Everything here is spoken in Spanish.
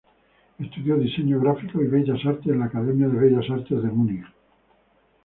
Estudió diseño gráfico y bellas artes en la Academia de Bellas Artes de Múnich.